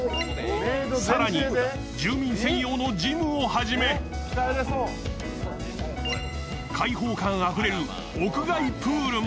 更に住人専用のジムをはじめ解放感あふれる屋外プールも。